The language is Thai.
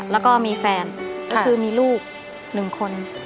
แล้วก็มีแฟนก็คือมีลูก๑คน